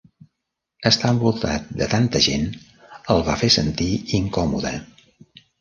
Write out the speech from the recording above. Estar envoltat de tanta gent el va fer sentir incòmode.